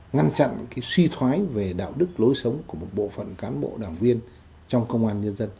ngăn chặn suy thoái về đạo đức lối sống của một bộ phận cán bộ đảng viên trong công an nhân dân